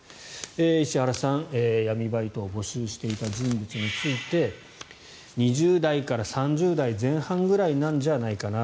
石原さん、闇バイトを募集していた人物について２０代から３０代前半くらいなんじゃないかな。